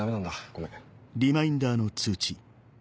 ごめん。